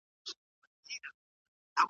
سياست پوهنه د بشري پوهې يوه اساسي اړتيا ده.